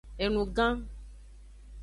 Enu gan.